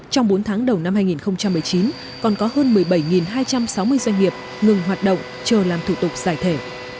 trong bốn tháng đầu năm hai nghìn một mươi chín còn có hơn một mươi bảy hai trăm sáu mươi doanh nghiệp ngừng hoạt động chờ làm thủ tục giải thể